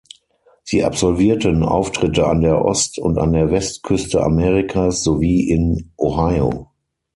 Sie absolvierten Auftritte an der Ost- und an der Westküste Amerikas sowie in Ohio.